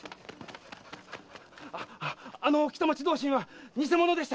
ああの北町同心は偽者でした！